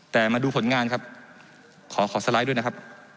แต่มาดูผลงานครับขอขอสไลด์ด้วยนะครับ